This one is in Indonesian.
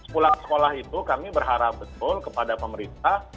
pulang sekolah itu kami berharap betul kepada pemerintah